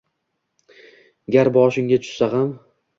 Gar boshingga tushsa gʼam